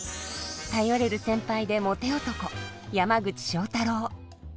頼れる先輩でモテ男山口正太郎。